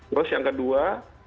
terus yang kedua